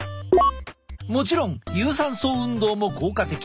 もちろん有酸素運動も効果的。